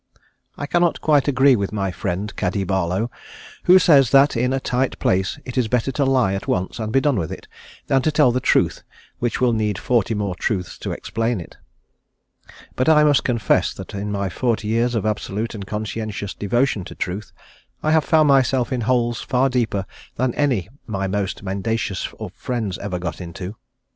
I cannot quite agree with my friend, Caddy Barlow, who says that in a tight place it is better to lie at once and be done with it than to tell the truth which will need forty more truths to explain it, but I must confess that in my forty years of absolute and conscientious devotion to truth I have found myself in holes far deeper than any my most mendacious of friends ever got into.